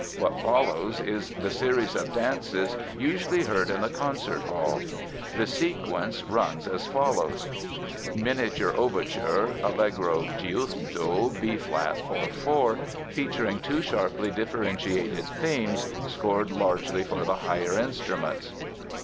What follows is the series of dances usually heard in the concert hall. The sequence runs as follows: Miniature Overture (Allegro giusto, B flat, 4 4), featuring two sharply differentiated themes, scored largely for the higher instruments.